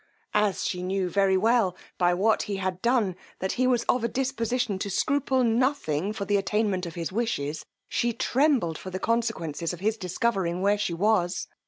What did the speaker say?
As she knew very well, by what he had done, that he was of a disposition to scruple nothing for the attainment of his wishes, she trembled for the consequences of his discovering where she was.